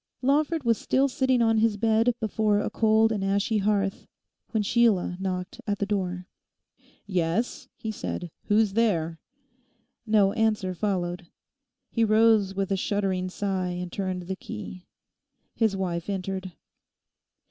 Lawford was still sitting on his bed before a cold and ashy hearth when Sheila knocked at the door. 'Yes?' he said; 'who's there?' No answer followed. He rose with a shuddering sigh and turned the key. His wife entered.